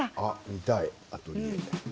見たいアトリエ。